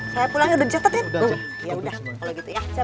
saya pulangnya udah dicetet ya